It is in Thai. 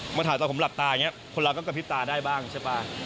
มาถ่ายตอนผมหลับตาอย่างนี้คนเราก็กระพริบตาได้บ้างใช่ป่ะ